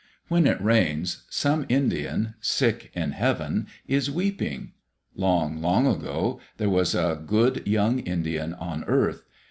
When it rains, some Indian, sick in heaven, is weeping. Long, long ago, there was a good young Indian on earth.